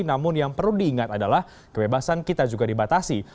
namun yang perlu diingat adalah kebebasan kita juga dibatasi